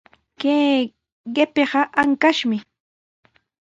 Kay qipiqa ankashmi.